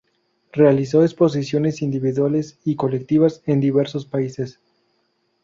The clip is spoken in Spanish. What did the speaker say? Realizó exposiciones individuales y colectivas en diversos países.